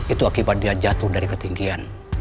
itu akibat dia jatuh dari ketinggian